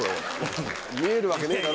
見えるわけねえだろ。